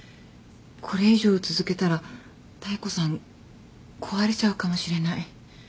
これ以上続けたら妙子さん壊れちゃうかもしれない。